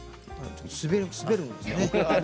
滑るんですよね。